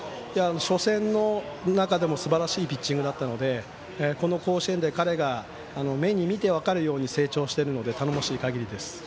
初戦の中でもすばらしいピッチングだったのでこの甲子園で彼が見て分かるように成長しているので頼もしいかぎりです。